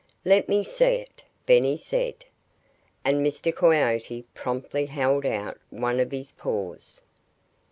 "Let me see it!" Benny said. And Mr. Coyote promptly held out one of his paws.